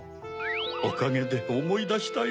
おかげでおもいだしたよ